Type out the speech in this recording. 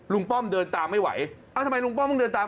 ป้อมเดินตามไม่ไหวทำไมลุงป้อมต้องเดินตาม